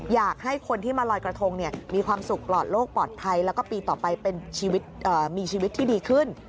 อยากให้คนที่มาลอยกระทงมีความสุขปลอดโลกปลอดภัยแล้วก็ปีต่อไปเป็นมีชีวิตที่ดีขึ้น